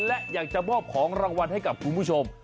และอยากจะมอบของรางวัลให้กับคุณผู้ชม